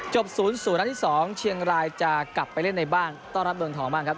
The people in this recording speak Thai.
จบศูนย์ศูนย์ที่สองเชียงรายจะกลับไปเล่นในบ้านต้อนรับเมืองทองบ้างครับ